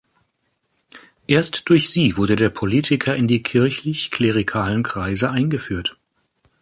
Erst durch sie wurde der Politiker in die kirchlich, klerikalen Kreise eingeführt.